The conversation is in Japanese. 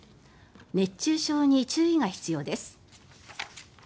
熱中症に注意が必要です。